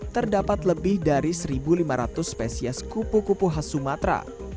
terdapat lebih dari satu lima ratus spesies kupu kupu khas sumatera